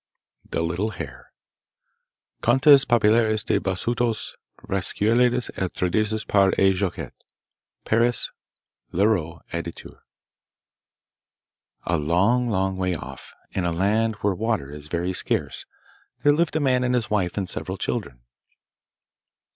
The Little Hare Contes populaires des Bassoutos. Recueillis et traduits par E. Jacottet. Paris: Leroux, Editeur. A long, long way off, in a land where water is very scarce, there lived a man and his wife and several children.